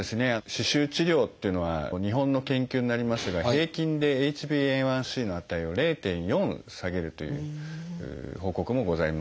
歯周治療っていうのは日本の研究になりますが平均でＨｂＡ１ｃの値を０．４下げるという報告もございます。